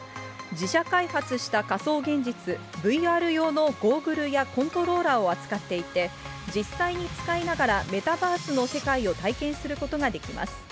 自社開発した仮想現実・ＶＲ用のゴーグルやコントローラーを扱っていて、実際に使いながら、メタバースの世界を体験することができます。